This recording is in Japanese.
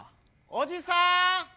おじさん！